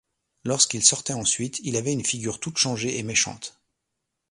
Lorsqu'il sortait ensuite, il avait une figure toute changée et méchante.